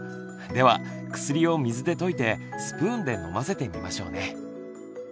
では薬を水で溶いてスプーンで飲ませてみましょうね。